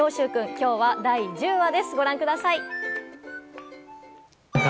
今日は第１０話です、ご覧ください。